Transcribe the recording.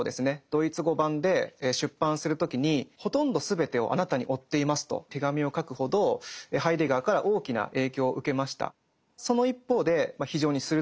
ドイツ語版で出版する時に「ほとんどすべてをあなたに負っています」と手紙を書くほどハイデガーから大きな影響を受けました。